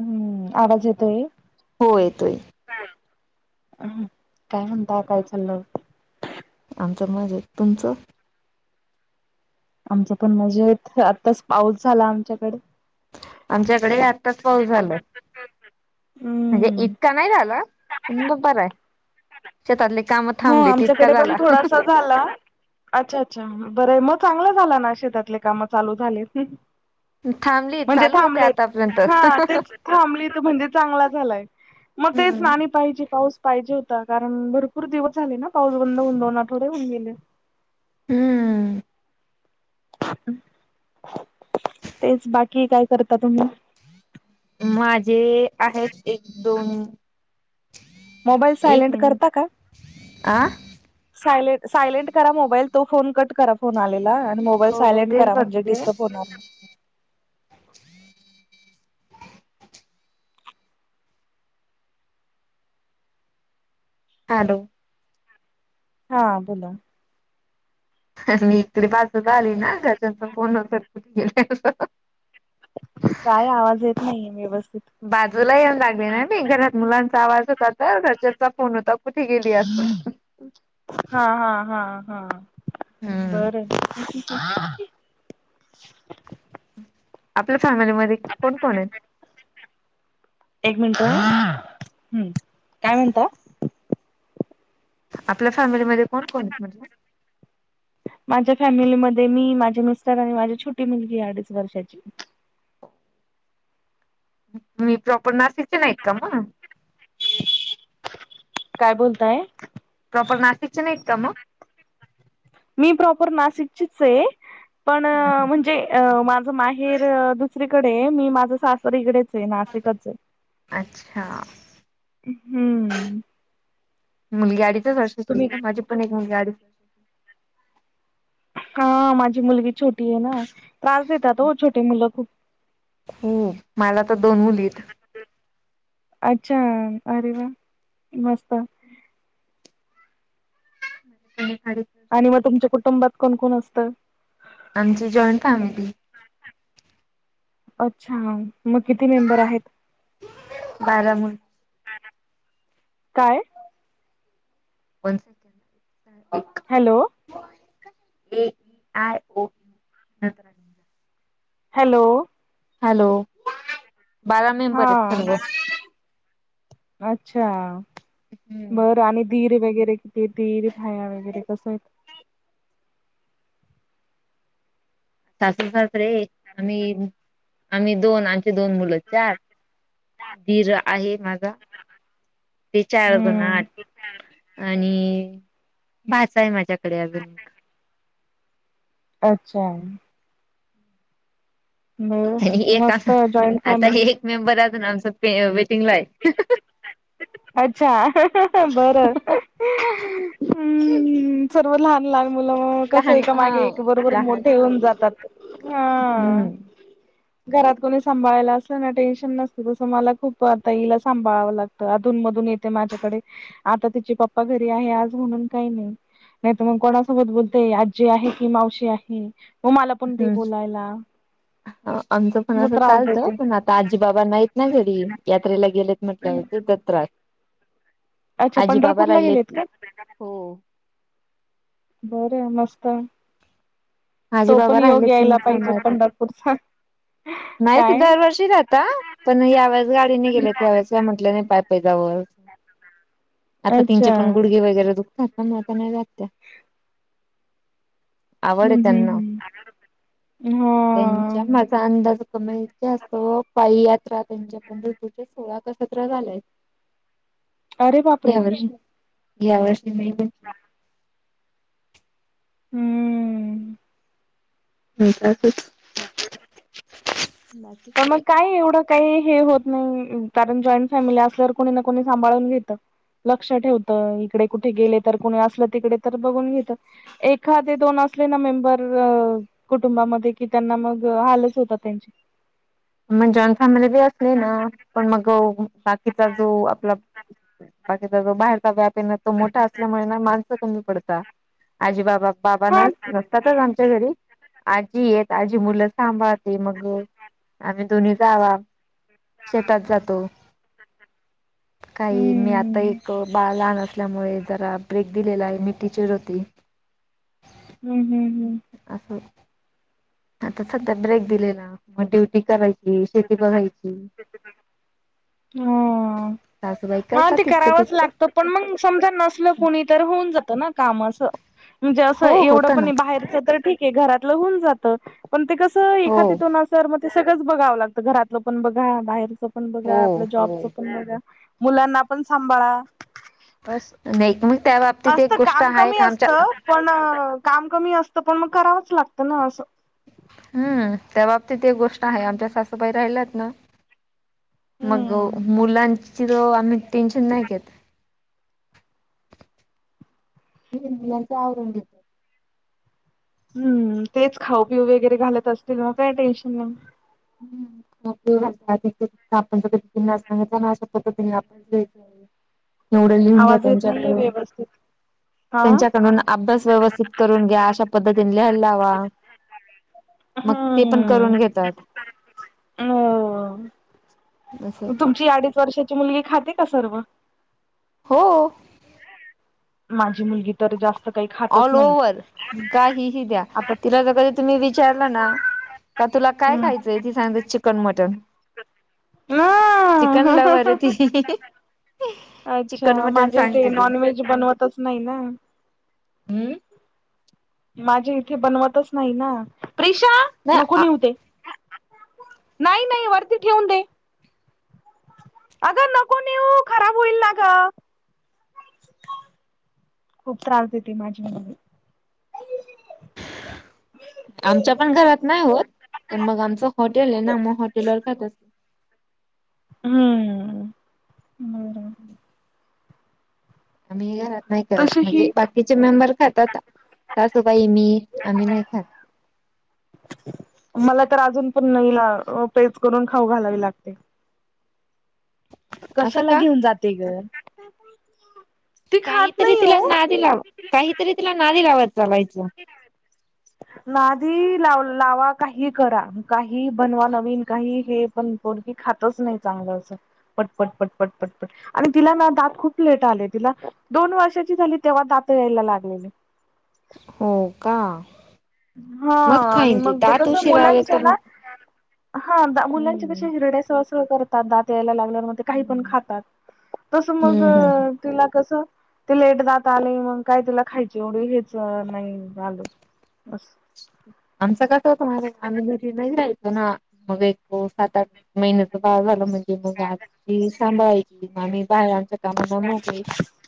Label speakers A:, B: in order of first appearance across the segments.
A: हम्म, आवाज येतोय?
B: हो येतोय.
A: हम्म काय म्हणता काय चाललं?
B: आमचं मजेत तुमचं?
A: आमचं पण मजेत आत्ताच पाऊस झाला आमच्याकडे.
B: आमच्याकडे आत ताच पाऊस झालाय म्हणजे
A: हम्म
B: इतका नाही झाला पण दुपार हाय शेतातली काम
A: हो
B: थांबली तितका
A: आमच्याकडे पण
B: झाला.
A: थोडासा झाला अच्छा अच्छा हा बरं आहे, म चांगलं झालं ना शेतातली काम चालू झाली.
B: थांबली
A: म्हणजे
B: चालू होते
A: थांबलेत
B: आतापर्यंत
A: हा तेच थांबलीत म्हणजे चांगला झालाय. म तेच
B: हम्म
A: ना आणि पाहिजे पाऊस पाहिजे होता कारण भरपूर दिवस झाले ना पाऊस बंद होऊन दोन आठवडे होऊन गेले.
B: हम्म.
A: तेच बाकी काय करता तुम्ही?
B: माझे आहेत एक, दोन
A: मोबाईल
B: एक
A: सायलेंट
B: मिनिट आं
A: साय सायलेंट करा मोबाईल तो फोन कट करा फोन आलेला. मोबाईल
B: हो
A: सायलेंट
B: तेच
A: करा म्हणजे
B: बघते
A: डिस्टर्ब होणार नाही.
B: हालो
A: हा बोला.
B: आणि इकडे बाजोबा आली ना त्याचाच फोन होता कुठं गेली असं. [inaudible]
A: काय आवाज येत नाही आहे व्यवस्थित.
B: बाजूला येऊन लागले ना मी घरात मुलांचा आवाज होता तर घरच्याचा फोन होता कुठं केेली असं
A: हा हा हा हा
B: हम्म
A: बरं आहे.
B: आपल्या फॅमिलीमध्ये कोण-कोण आहेत?
A: एक मिनट काय म्हणताय.
B: आपल्या फॅमिलीमध्येध्ये कोण -कोण आहेत म्हटलं.
A: माझ्या फॅमिलीमध्ये मी माझे मिस्टर आणि माझी छोटी मुलगी अडीच वर्षाची.
B: मी प्रॉपर नाशिकचे नाहीत का मग
A: काय बोलताय?
B: प्रॉपर नाशिकचे नाही?
A: [unintelligible] मी प्रॉपर नाशिकचीच आहे पण
B: हम् हम
A: म्हणजे अ माझं माहेर दुसरीकडे मी माझं सासरीकडे नाशिकच आहे
B: अच्छा
A: हम्म
B: मुलगी अडीचच वर्षाची आहे
A: तुम्ही
B: का माझी पण एक मुलगी अडीच वर्षाची
A: हा माझी मुलगी छोटी आहे ना त्रास देतात हो छोटे मुलं खूप.
B: हो मला तर दोन मुली आहेत.
A: [unintelligible] अच्छा आरे वा मस्त.
B: आणि खाडी
A: आणि मग तुमच्या कुटुंबात कोण कोण असतं?
B: आमची जॉईंट फॅमिली
A: [unintelligible] अच्छा मग किती मेंबर आहेत?
B: बारा मूल
A: [inaudible] काय?
B: पण [unintelligible] एक
A: हॅलो
B: ए आय ओ नंतर आणि.
A: हॅलो.
B: हॅलो. बारा
A: हा
B: मेंबर आहेत सर्व
A: [unintelligible] अच्छा
B: हम्म
A: बरं आणि दीर वगैरे किती दीर [unintelligible] वगैरे कसं आहेत.
B: सासू सासरे आम्ही -आम्ही दोन आणि दोन मुलं चार धीर आहे माझा विचार ब ना
A: हम्म
B: आणि भाचा आहे माझ्याकडे अजून एक
A: अच्छा बर
B: एक आ
A: मस्त जॉईंट
B: आता
A: फॅमिली
B: ही एक मेंबरातून आमचा [unintelligible]
A: [unintelligible] अच्छा बर [unintelligible] हम्म सर्व लहान लहान मुलं कस
B: लहान
A: एका
B: हा
A: मागे एक बरोबर
B: लहान
A: मोठे होऊन जातात.
B: हम्म.
A: घरात कोणी सांभाळायला असल ना टेन्शन नसतं तसं मला खूप ताईला सांभाळावं लागतं अधून मधून येते माझ्याकडे. आता तिची पप्पा घरी आहे आज म्हणून काही नाही. नाही तर मग कोणासोबत बोलतेय आजी आहे की मावशी आहे. मग मला पण ते
B: हम्म
A: बोलायला
B: आमचं पण
A: म
B: असं
A: त्रास
B: चालतं
A: देते.
B: पण आता आजी बाबा नाहीत ना घरी यात्रेला गेलेत म्हटल्यावरते दत्रास
A: अच्छा
B: आजी बाबा
A: पंढरपूरला
B: राहिले
A: गेलेत का? बरं मस्त.
B: आजी
A: तो पण
B: बाबा
A: योग
B: राहिलेत की
A: यायला
B: मग
A: पाहिजे
B: सांभाळतात
A: पंढरपूरचा.
B: नाही ते
A: काय
B: दरवर्षी राहता पण यावेेळेस गाडीने गेले त्यावेेळेस काय म्हटलं नाही पाय पाय जावं आता तिचे
A: अच्छा
B: पण गुडघे वगैरे दुखतात ना मग आता नाहीत त्या आवड आहे
A: हम्म
B: त्यांना
A: हम्म हम्म
B: त्यांच्या
A: हा
B: माझा अंदाज कमेल अस पायी यात्रा त्यांच्या पंढरपूरच्या सोळा क सतरा झाल्याय.
A: [inaudible] बापरे
B: या वर्षी या वर्षी म
A: हम्म!
B: होय काकेत
A: [unintelligible]
B: [inaudible]
A: पण मग काही एवढं काही हे होत नाही कारण जॉईंट फॅमिली असल्यावर कोणी ना कोणी सांभाळून घेतं. लक्ष ठेवत इकडे कुठे गेले तर कुणी असलं तिकडे तर बघून घेत. एखादे दोन असले ना मेंबर अ कुटुंबामध्ये कि त्यांना मग हालच होतात त्यांची.
B: मण जॉईन फॅमिली बी असली ना पण मग बाकीचा जो आपला बाकीचा जो बाहेरचा व्याप येन तो मोठा असल्यामुळे ना माणसं कमी पडता आजी बाबा बाबान
A: हा
B: तसच आमच्या घरी आजी आहेत, आजी मुलं सांभाळते मग आम्ही दोन्ही जावा शेतात जातो. काही मी आता
A: हम्म
B: एक बाळ लहान असल्यामुळे जरा ब्रेक दिलेला आहे मी टीचेर होती.
A: हम्म हम् हम्!
B: अस आता सत्या ब्रेक दिलेला मग ड्युटी करायची शेती बघायची. ची.
A: हा! हा ते
B: तितकं
A: करावच
B: तितकं
A: लागतं पण मग समजा नसल कुणी तर होऊन जातं ना कामा आस म्हणजे असं
B: हो
A: एवढं
B: होतं ना
A: पण बाहेरच तर ठीक आहे घरातलं होऊन जात. पण ते कसं
B: हो
A: एखादी्यातून असल मग ते सगळंच बघावं लागतं घरातलं पण बघा बाहेरच पण
B: हो
A: बघा. आपलं
B: हो
A: जॉबचं मुलांना पण सांभाळा अस,
B: नाही मग त्या बाबतीत एक
A: असतं
B: गोष्ट
A: काम
B: आहे
A: कमी
B: का आमच्या
A: असत. पण काम कमी असतं पण मग करावंच लागतं ना असं.
B: हम्म त्या बाबतीत एक गोष्ट आहे आमच्या सासूबाई राहिल्यात ना मग
A: हम्म
B: मुलांची तर आम्ही टेन्शन नाही घेत. त्या मुलाचं आवरून घेतात.
A: हम्म तेच खाऊ पिऊ वगैरे घालत असतील मग काय टेन्शन नाही?
B: खाऊ पिऊ घालतात
A: [inaudible]
B: एवड्या लिहून घ्या
A: आवाज येत नाहीये
B: त्यांच्याकडून.
A: व्यवस्थित हा
B: त्यांच्याकडून अभ्यास व्यवस्थित करून घ्या अशा पद्धतीने लिहायला लावा. मग ते पण करून घेतात.
A: हो,
B: असं
A: तुमची अडीच वर्षाची मुलगी खाते का सर्व?
B: हो!
A: माझी मुलगी तर जास्त काही खा
B: ऑल ओवर्हर काहीही द्या
A: आता
B: तिला तर कधी तुम्ही विचारला ना तर तुला काय
A: हम्म
B: खायचंय ती सांगते चिकन मटन. चिकन लवर आहे
A: ह
B: ती. चिकन
A: अच्छा
B: मटन
A: माझ्या इथे
B: सांगते ती
A: नॉन व्हेज बनवतच नाही ना!
B: हम्म!
A: माझे इथे बनवतच नाही ना ते, प्रिशा नको
B: नाही
A: नेऊ ते! नाही नाही वरती ठेवून दे. अगं नको नेऊ, खराब होईल ना ग! खूप त्रास देते माझी मुलगी.
B: आमच्या पण घरात नाही होत, पण मग आमच हॉटेल आहे ना मग हॉटेलवर खातात.
A: हम्म! बर
B: हम् आम्ही घरात नाही करत
A: तशी
B: म्हणजे
A: ही
B: बाकीचे मेंबर खात आता सासू बाई मी आम्ही नाही खात.
A: मला तर अजून पण पेज करून खाऊ घालावी लागते.
B: असं
A: कशाला
B: का
A: घेऊन जाते ग ती खात
B: काहीतरी
A: नाही हो
B: तिला नादि लावायच काहीतरी तिला ना दिलावत चालायचं
A: नाधी लाव लावा काही करा काही बनवा नवीन काही हे पण पोरगी खातच नाही चांगलं असं पटपट पटपट पटपट आणि तिला ना दात खूप लेट आले तिला दोन वर्षाची झाली तेव्हा दात यायला लागलेली.
B: हो का
A: हा
B: मग
A: आणि
B: खाईन ती
A: मग ते
B: दात
A: कस
B: उशीरा आले
A: मुलांच्या
B: तर
A: ना
B: मग
A: हा मुलांच्या कशी
B: हम्म
A: हिरड्याच करतात दात यायला लागल्या म काही पण
B: हम्म
A: खातात तसं मग
B: हम्म हम्म
A: तिला कस त लेट दात आले मग काय तुला खायची एवढी हेच नाही आल. बस
B: आमचा कस होतं म आम्ही घरी नाही रायचो ना मग हो सात आठ महिन्याच बाळ झालं म्हणजे मग आजी सांभाळाय. बाहेर आच्या कामांना नकळी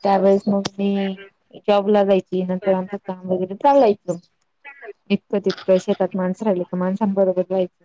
B: [inaudible] त्यावेळेस मग मी जॉब ला जायची नंतर आमचं काम वगैरे चालयच. तितकं शेतात माणसं राहिली तर माणसांबरोबर जायचं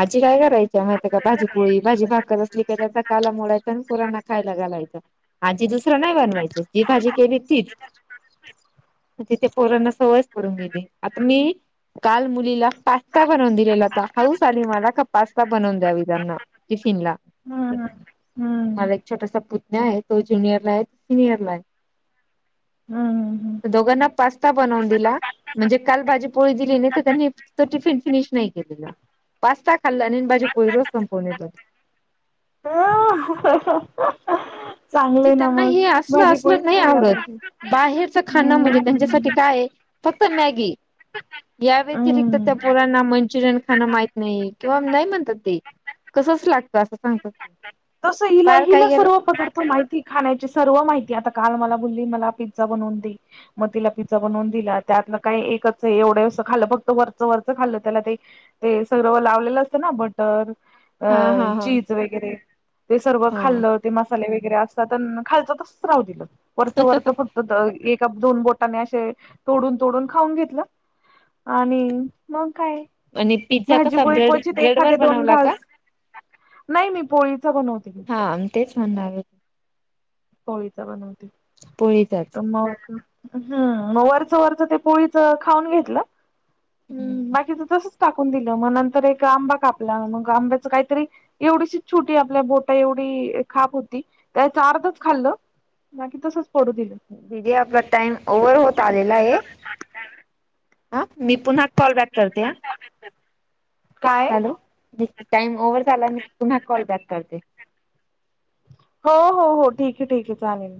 B: आजी काय करायची. त्या बाजू प [inaudible] भाजी भाकर असली की त्याचा काला मोडायचा आणि पोरांना खायला घालायच आजीस नाही बनवायचे जी भाजी केली तीच तथ पोरांना सवयच करून गेली आता मी काल मुलीला पास्ता बनवून दिलेला होता हाऊस आली मला का पास्ता बनवून द्यावी त्यांना ते सनला [inaudible]
A: हम्
B: मला एक छोटासा पुतण्या आहे तो ज्यनियरला आहे सिनियरला आहे.
A: हम्म हम् हम्
B: तर दोघांना पास्ता बनवून दिला म्हणजे काल पोळी दिली नाही तर त्यांनी तो टिफिन फिनिश नाही केलेला. पास्ता खाल्ला अण भाजी पोळी संपवून येतात.
A: [unintelligible]
B: म्हणजे
A: ना
B: त्यांना
A: मग
B: हे असलं
A: भाजी
B: असलं
A: पोळीच
B: नाही
A: खायला
B: आवडत
A: पाहिजे.
B: बाहेरच खाना म्हणजे
A: हम्म
B: त्यांच्यासाठी काय आहे. फक्त मॅगी या व्यतिरिक्त त्या
A: हम्म
B: पोरांना मंचुरियन खाणं माहत नाही किंवा नाही म्हणतात ते कसंच लागतं असं सांगत.
A: तस हिला हिला सर्व पदार्थ माहिती. खाण्याची सर्व माहिती आता काल मला बोलली मला पिझ्झा बनवून दे. मग तिला पिझ्झा बनवून दिला त्यातन काय एकच एवढं खा फक्त वरचं वरचं खाल्लं त्याला ते ते सगळं व लावलेलं असतं ना बटर अ
B: हा हा हा
A: चीज वगैरे ते सर्व
B: हा
A: खाल्ल. मसाले वगैरे असतात खायच तस राहू दिलं वरच वरत फक्त एक दोन बोटाने असे तोडून तोडून खाऊन घेतलं. आणि मग काय
B: आणि पिझ्झा कसा
A: भाजीपोळी
B: ब्रेड
A: क्वचित
B: ब्रेड वर
A: एखादे दोन
B: बनवला का?
A: घास.. नाही मी पोळीच बनवते पिझ्झा..
B: हा तेच म्हणणवे
A: पोळीचा बनवते तर
B: पोळीचाच
A: मग हम्म मग वरचं वरचं ते पोळीच खाऊन घेतलं् बाकीच तस टाकून दिलं मग नंतर एक आंबा कापला मग आंब्याच काहीतरी एवढीशी छोटी आपल्या बोटा एवढी खाप होती त्याचा अर्धच खाल्लं नाही तसच पडू दिलं
B: दिदी आपला टाइम ओव्हर होत आलेला आहे हा मी पुन्हा कॉल बॅक करते ह
A: काय
B: हॅलो टाइम ओव्हर झाला मी तुम्हा कॉल बॅक करते
A: हो हो हो ठीक आहे ठीक आहे चालेल